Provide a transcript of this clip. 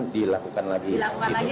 dilakukan lagi sampai tuntas